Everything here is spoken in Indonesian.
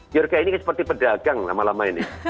biorka ini seperti pedagang lama lama ini